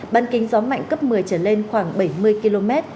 ban kính gió mạnh cấp một mươi trở lên khoảng bảy mươi km